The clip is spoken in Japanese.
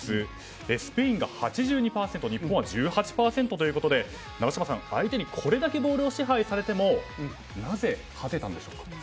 スペインが８２％日本は１８％ということで永島さん相手にこれだけボールを支配されてもなぜ勝てたんでしょうか？